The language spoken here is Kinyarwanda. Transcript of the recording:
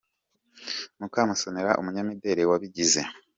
Mukamusoni umunyamideli wabigize.